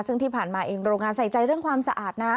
ซึ่งที่ผ่านมาเองโรงงานใส่ใจเรื่องความสะอาดนะ